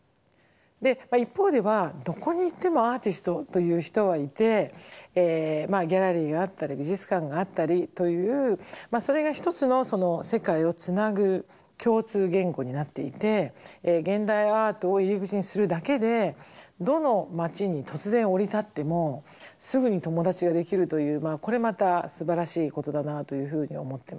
一方ではどこに行ってもアーティストという人はいてギャラリーがあったり美術館があったりというそれが一つの世界をつなぐ共通言語になっていて現代アートを入り口にするだけでどの町に突然降り立ってもすぐに友達ができるというこれまたすばらしいことだなというふうに思ってます。